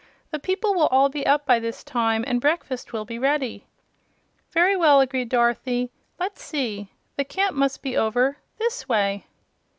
"The people will all be up by this time and breakfast will be ready." "Very well," agreed Dorothy. "Let's see the camp must be over this way."